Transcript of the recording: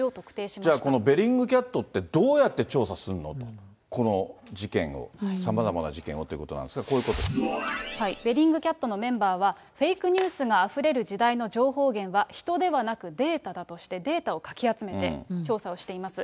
じゃあ、このベリングキャットって、どうやって調査するのと、この事件を、さまざまな事件をっていうことなんですが、ベリングキャットのメンバーは、フェイクニュースがあふれる時代の情報源は、人ではなくデータだとして、データをかき集めて調査をしています。